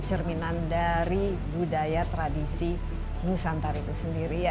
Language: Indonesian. ini cerminan dari budaya tradisi nusantar itu sendiri